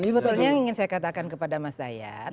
sebetulnya yang ingin saya katakan kepada mas dayat